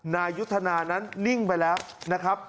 นายุทธนานั้นนิ่งไปแล้วนะครับ